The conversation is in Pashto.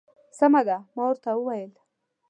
سمه ده. ما ورته وویل.